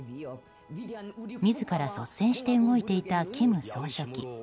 自ら率先して動いていた金総書記。